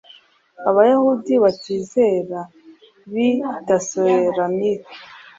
Abayahudi batizera b’i Tesalonike,